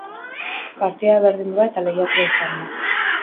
Partida berdindua eta lehiatua izan da.